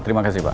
terima kasih pak